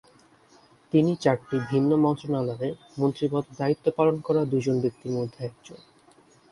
তিনি চারটি ভিন্ন মন্ত্রণালয়ে মন্ত্রী পদে দায়িত্ব পালন করা দুইজন ব্যক্তির মধ্যে একজন।